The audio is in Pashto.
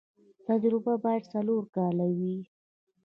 تجربه باید څلور کاله وي.